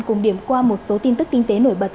cùng điểm qua một số tin tức kinh tế nổi bật